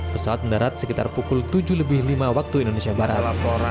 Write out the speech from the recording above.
pesawat mendarat sekitar pukul tujuh lebih lima waktu indonesia barat